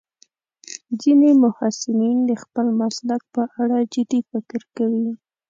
ځینې محصلین د خپل مسلک په اړه جدي فکر کوي.